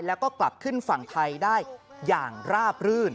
แล้วก็กลับขึ้นฝั่งไทยได้อย่างราบรื่น